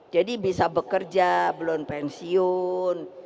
bisa bekerja belum pensiun